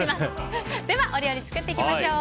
ではお料理作っていきましょう。